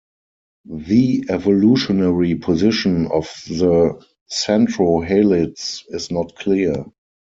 The evolutionary position of the centrohelids is not clear.